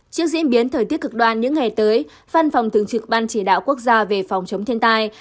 trước diễn biến thời tiết cực đoan những ngày tới văn phòng thường trực ban chỉ đạo quốc gia về phòng chống thiên tai